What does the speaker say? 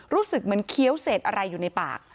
รู้สึกเหมือนเคี้ยวเศษอะไรอยู่ในปาก